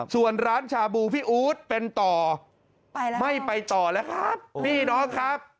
ส่วนร้านชาบูพี่อู๊ดเป็นต่อไปแล้วไม่ไปต่อแล้วครับพี่น้องครับ